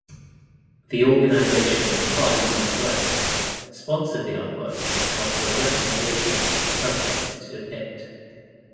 The organization Pride Northwest sponsored the artwork and offered recommendations for subjects to depict.